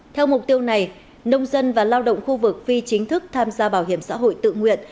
theo mục tiêu này nông dân và lao động khu vực phi chính thức tham gia bảo hiểm xã hội tự nguyện